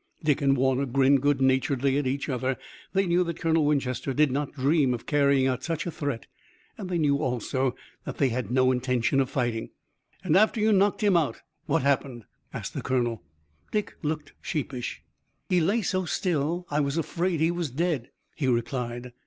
Dick and Warner grinned good naturedly at each other. They knew that Colonel Winchester did not dream of carrying out such a threat, and they knew also that they had no intention of fighting. "And after you knocked him out what happened?" asked the colonel. Dick looked sheepish. "He lay so still I was afraid he was dead," he replied.